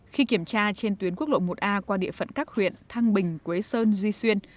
khi kiểm tra trên tuyến quốc lộ một a qua địa phận các huyện thăng bình quế sơn duy xuyên